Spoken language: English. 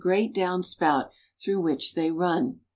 197 great down spout through which they run.